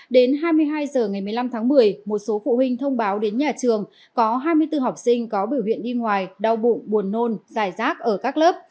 đến hai mươi hai h ngày một mươi năm tháng một mươi một số phụ huynh thông báo đến nhà trường có hai mươi bốn học sinh có biểu hiện đi ngoài đau bụng buồn nôn dài rác ở các lớp